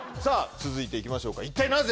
続いていきましょうか「一体なぜ！？